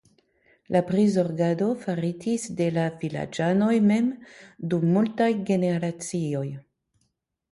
La prizorgado faritis de la vilaĝanoj mem dum multaj generacioj.